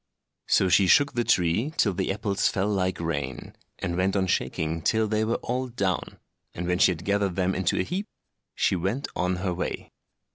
So she shook the tree till the apples fell like rain, and went on shaking till they were all down, and when she had gathered them into a heap, she went on her way.